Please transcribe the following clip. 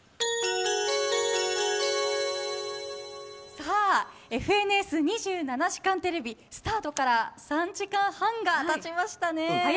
さあ、ＦＮＳ２７時間テレビスタートから３時間半がたちましたね。